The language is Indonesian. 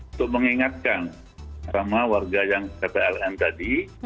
untuk mengingatkan sama warga yang ppln tadi